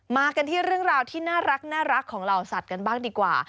มากันที่เรื่องราวที่น่ารักของเหล่าสัตว์กันบ้างดีกว่า